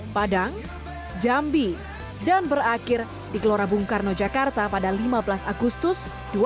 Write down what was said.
padang jambi dan berakhir di gelora bung karno jakarta pada lima belas agustus dua ribu dua puluh